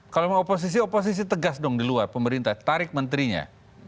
kalau mau oposisi oposisi tegas dong di luar pemerintah tarik menterinya